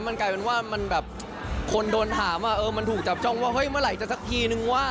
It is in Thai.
มันกลายเป็นว่าคนโดนถามมันถูกจับจองว่าเมื่อไหร่จะสักทีนึงว่า